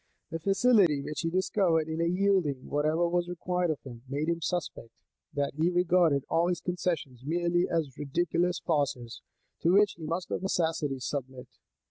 The facility which he discovered in yielding whatever was required of him, made them suspect, that he regarded all his concessions merely as ridiculous farces, to which he must of necessity submit.